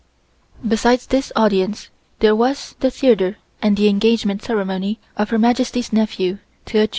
Besides this audience there was the theatre and the engagement ceremony of Her Majesty's nephew, Ter Ju.